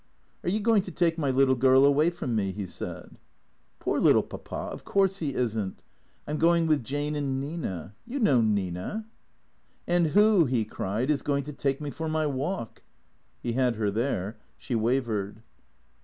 " Are you going to take my little girl away from me ?" lie said. " Poor little Papa, of course lie is n't. I 'm going with Jane, and Nina. You know Nina ?"" And who," he cried, " is going to take me for my walk ?" He had her there. She wavered.